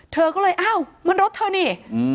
เธอก็เลยอ้าวมันรถเธอนี่